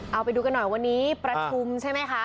เอาไปดูกันหน่อยวันนี้ประชุมใช่ไหมคะ